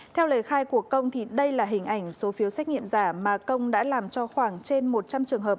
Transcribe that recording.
theo lời khai của công thì đây là hình ảnh số phiếu xét nghiệm giả mà công đã làm cho khoảng trên một trăm linh trường hợp